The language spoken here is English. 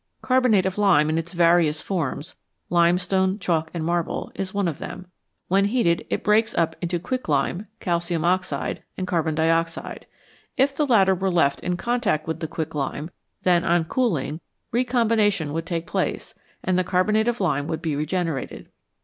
Carbonate of lime in its various forms limestone, chalk, and marble is one of them. When heated it breaks up into quicklime (calcium oxide) and carbon dioxide. If the latter were left in contact with the quicklime, then, on cooling, re combina tion would take place, and the carbonate of lime would be regenerated.